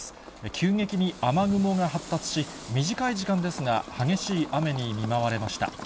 急激に雨雲が発達し、短い時間ですが、激しい雨に見舞われました。